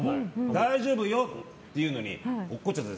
大丈夫よっていうのに落っこっちゃって。